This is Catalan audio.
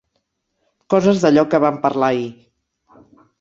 Coses d'allò que vam parlar ahir.